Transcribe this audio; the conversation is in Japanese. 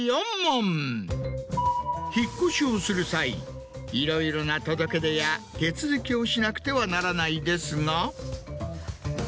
引っ越しをする際いろいろな届け出や手続きをしなくてはならないですが。